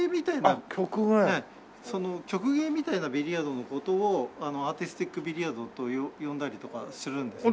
曲芸みたいなビリヤードの事をアーティスティックビリヤードと呼んだりとかするんですね。